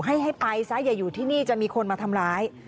ให้ไปซะอย่าอยู่ที่นี่จะมีคนมาทำร้าย